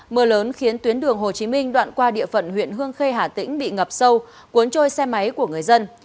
mưa lớn khiến tuyến đường hồ chí minh đoạn qua địa phận huyện hương khê hà tĩnh bị ngập sâu cuốn trôi xe máy của người dân